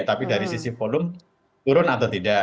tapi dari sisi volume turun atau tidak